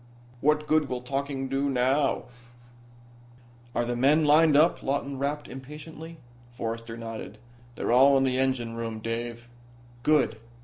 What good will talking do now?" "Are the men lined up?" Lawton rapped, impatiently. Forrester nodded. "They're all in the engine room, Dave." "Good.